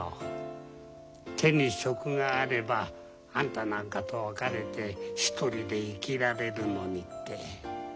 手に職があればあんたなんかと別れて一人で生きられるのにって。